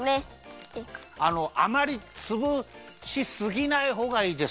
あのあまりつぶしすぎないほうがいいです。